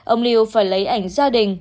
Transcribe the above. ông liu phải lấy ảnh gia đình